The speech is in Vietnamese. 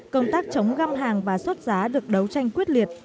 công tác chống găm hàng và xuất giá được đấu tranh quyết liệt